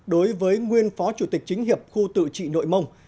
đối với nguyên phó chủ tịch chính hiệp khu tự trị nội mông